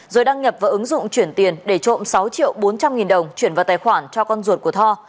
rồi đăng nhập vào ứng dụng chuyển tiền để trộm sáu triệu bốn trăm linh nghìn đồng chuyển vào tài khoản cho con ruột của tho